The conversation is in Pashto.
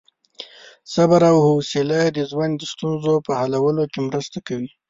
صبر او حوصلې د ژوند د ستونزو په حلولو کې مرسته کوي.